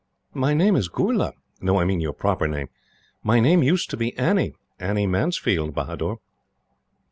"My name is Goorla." "No; I mean your proper name?" "My name used to be Annie Annie Mansfield, Bahador."